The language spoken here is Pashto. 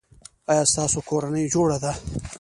ایا ستاسو کورنۍ جوړه ده؟